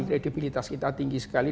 kredibilitas kita tinggi sekali